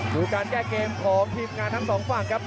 ดูการแก้เกมของทีมงานทั้งสองฝั่งครับ